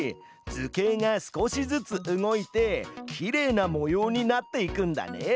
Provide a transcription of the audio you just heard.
図形が少しずつ動いてきれいな模様になっていくんだね。